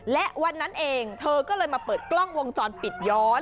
และวันนั้นเองเธอก็เลยมาเปิดกล้องวงจรปิดย้อน